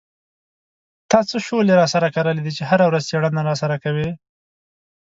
تا څه شولې را سره کرلې دي چې هره ورځ څېړنه را سره کوې.